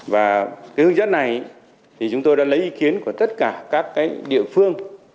và cái hướng dẫn này thì chúng tôi đã lấy ý kiến của tất cả các địa phương